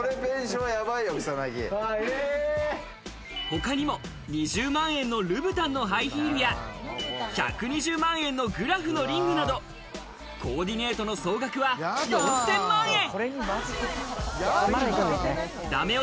他にも２０万円のルブタンのハイヒールや、１２０万円のＧＲＡＦＦのリングなど、コーディネートの総額は４０００万円。